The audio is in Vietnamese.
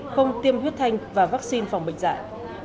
không tiêm huyết thanh và vaccine phòng bệnh dại